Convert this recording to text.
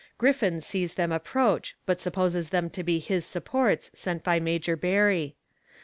Griffin sees them approach, but supposes them to be his supports sent by Major Barry.